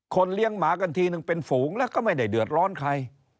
เลี้ยงหมากันทีนึงเป็นฝูงแล้วก็ไม่ได้เดือดร้อนใคร